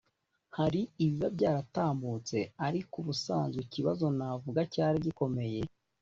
hari ibiba byaratambutse ariko ubusanzwe ikibazo navuga cyari gikomeye